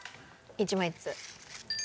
１枚ずつ。